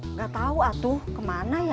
nggak tahu atuh kemana ya